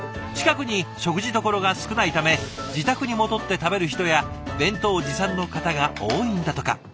近くに食事どころが少ないため自宅に戻って食べる人や弁当持参の方が多いんだとか。